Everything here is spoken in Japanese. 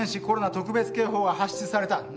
コロナ特別警報が発出された。